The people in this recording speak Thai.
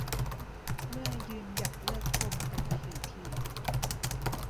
เมื่อยืนหยัดเลิกพรมกันถี่ถี่